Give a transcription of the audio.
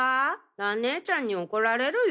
蘭ねえちゃんに怒られるよ。